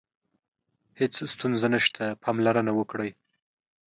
هیڅ ستونزه نشته، پاملرنه وکړئ.